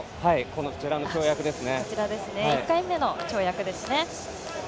１回目の跳躍の映像ですね。